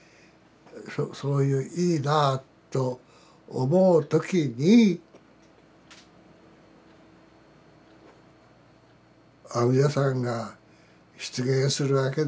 そういういいなと思う時に阿弥陀さんが出現するわけでしょう。